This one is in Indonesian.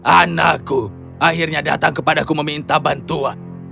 anakku akhirnya datang kepadaku meminta bantuan